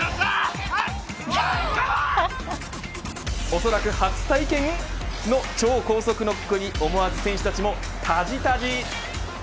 おそらく初体験の超高速ノックに思わず選手たちも、たじたじ。